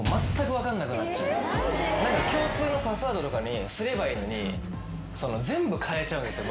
共通のパスワードとかにすればいいのに全部変えちゃうんですよ